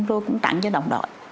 tôi cũng tặng cho đồng đội